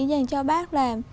dành cho bác là